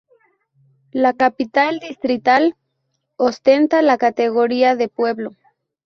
La capital distrital, ostenta la categoría de pueblo.